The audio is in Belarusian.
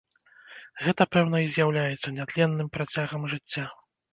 Гэта, пэўна, і з'яўляецца нятленным працягам жыцця.